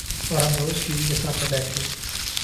اور ہم روز ٹی وی کے سامنے بیٹھے